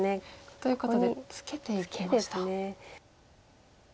ということでツケていきました。